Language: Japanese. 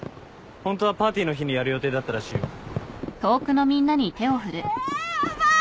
ホントはパーティーの日にやる予定だったらしいよ。えヤバい！